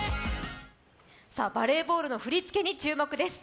バレーボールの振り付けに注目です。